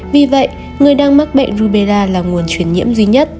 vì vậy người đang mắc bệnh rubella là nguồn chuyển nhiễm duy nhất